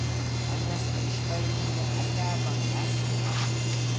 Añaspa ishpayninqa allaapami asyan.